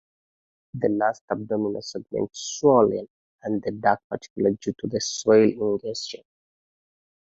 The last abdominal segment swollen and dark particularly due to the soil ingestion.